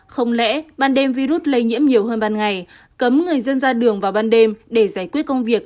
không lẽ ban đêm virus lây nhiễm nhiều hơn ban ngày cấm người dân ra đường vào ban đêm để giải quyết công việc